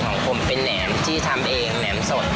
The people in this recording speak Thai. ของผมเป็นแหนมที่ทำเองแหนมสด